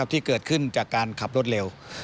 ที่เกิดขึ้นจากการขับรถเร็ว